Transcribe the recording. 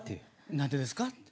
何でですかって。